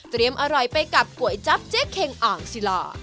เตรียมอร่อยไปกับก๋วยจับเจ๊เค่งอ่างซีล่า